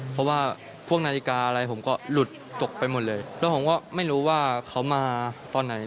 เพราะว่าพวกนาฬิกาอะไรผมก็หลุดตกไปหมดเลยแล้วผมก็ไม่รู้ว่าเขามาตอนไหน